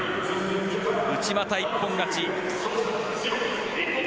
内股、一本勝ち。